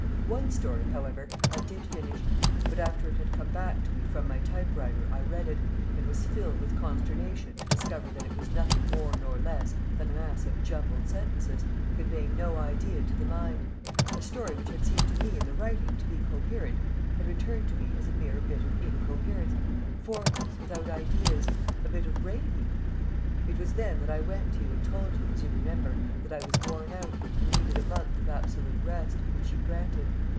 One story, however, I did finish; but after it had come back to me from my typewriter I read it, and was filled with consternation to discover that it was nothing more nor less than a mass of jumbled sentences, conveying no idea to the mind a story which had seemed to me in the writing to be coherent had returned to me as a mere bit of incoherence formless, without ideas a bit of raving. It was then that I went to you and told you, as you remember, that I was worn out, and needed a month of absolute rest, which you granted.